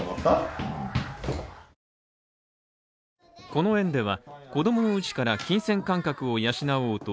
この園では、子供のうちから金銭感覚を養おうと